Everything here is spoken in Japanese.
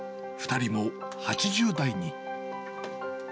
２人も８０代に。